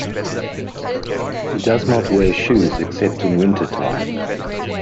He does not wear shoes, except in winter time.